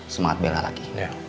semangat bela lagi